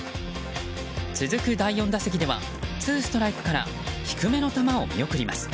続く第４打席ではツーストライクから低めの球を見送ります。